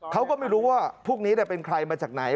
เขาก็ไม่รู้ว่าพวกนี้เป็นใครมาจากไหน